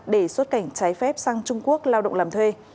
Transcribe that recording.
để xuất cảnh trái phép sang trung quốc lao động làm thuê